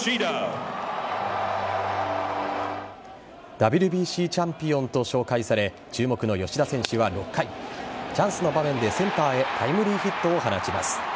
ＷＢＣチャンピオンと紹介され注目の吉田選手は６回チャンスの場面でセンターへタイムリーヒットを放ちます。